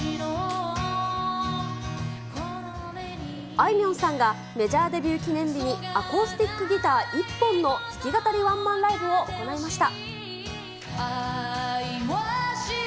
あいみょんさんが、メジャーデビュー記念日に、アコースティックギター一本の弾き語りワンマンライブを行いました。